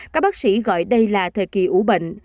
các bác sĩ gọi đây là thời kỳ ủ bệnh